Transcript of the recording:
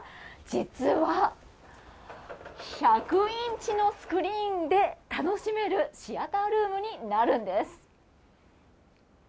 実は、１００インチのスクリーンで楽しめるシアタールームになるんです。